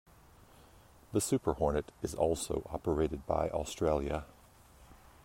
The Super Hornet is also operated by Australia.